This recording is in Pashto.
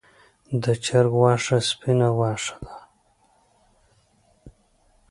د چرګ غوښه سپینه غوښه ده